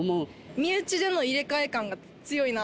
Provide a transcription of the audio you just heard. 身内での入れ替え感が強いな。